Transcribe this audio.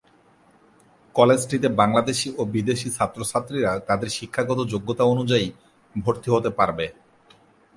কলেজটিতে বাংলাদেশি ও বিদেশী ছাত্র-ছাত্রীরা তাদের শিক্ষাগত যোগ্যতা অনুযায়ী ভর্তি হতে পারবে।